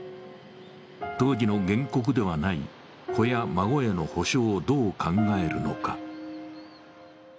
当時の原告ではない子や孫への補償をどう考えるのか。